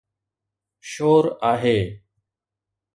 شور آهي.